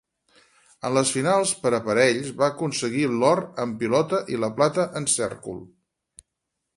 En les finals per aparells va aconseguir l'or en pilota i la plata en cèrcol.